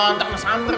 entah kena samper lo